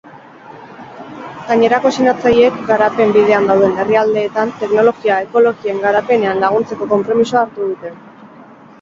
Gainerako sinatzaileek garapen bidean dauden herrialdeetan teknologia ekologikoen garapenean laguntzeko konpromisoa hartu dute.